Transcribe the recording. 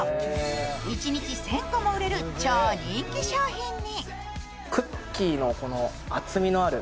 一日１０００個も売れる超人気商品に。